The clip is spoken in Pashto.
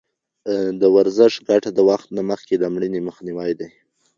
د ورزش ګټه د وخت نه مخکې مړینې مخنیوی دی.